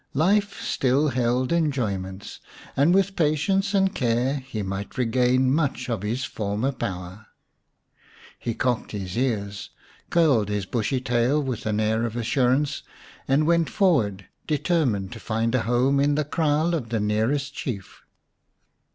Life still held enjoyments, and with patience and care he might regain much of his former power. He cocked his ears, curled his bushy tail with an air of assurance, and went forward, deter mined to find a home in the kraal of the nearest Chief.